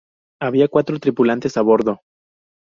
Había cuatro tripulantes a bordo.